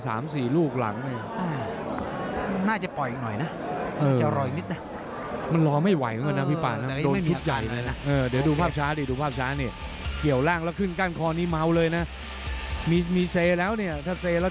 สามสี่ลูกหลังนี่อืมน่าจะปล่อยอีกหน่อยน่ะเออจะรอยอีกนิดน่ะ